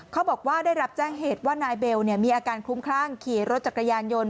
เขาบอกว่าได้รับแจ้งเหตุว่านายเบลมีอาการคลุ้มคลั่งขี่รถจักรยานยนต์